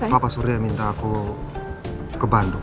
bapak surya minta aku ke bandung